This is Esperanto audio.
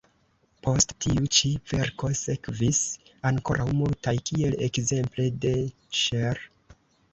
Post tiu ĉi verko sekvis ankoraŭ multaj, kiel ekzemple de Chr.